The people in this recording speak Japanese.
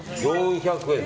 ４００円。